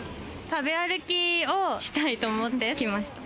食べ歩きをしたいと思って来ました。